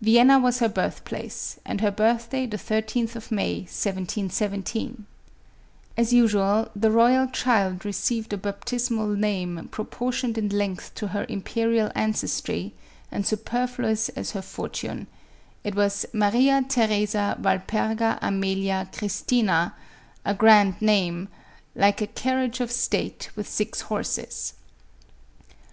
Vienna was her birthplace, and her birthday the 13th of May, 1717. As usual, the royal child received a baptismal name proportioned in length to her imperial ancestry, and superfluous as her fortune ; it was Maria Theresa Valperga Amelia Christina — a grand name, " like a carriage of state with six horses."